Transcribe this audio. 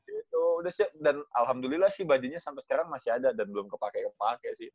gitu udah sih dan alhamdulillah sih bodynya sampe sekarang masih ada dan belum kepake kepake sih